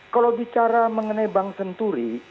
kalau bicara mengenai bank senturi